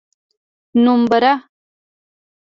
نومبره!